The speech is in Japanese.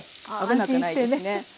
安心してね。